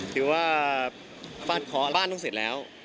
คิดว่าบ้านเขาบ้านต้องเสร็จแล้ว